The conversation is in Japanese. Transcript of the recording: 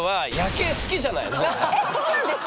えっそうなんですか？